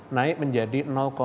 naik menjadi sembilan puluh delapan